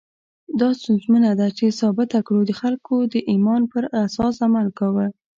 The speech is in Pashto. دا ستونزمنه ده چې ثابته کړو خلکو د ایمان پر اساس عمل کاوه.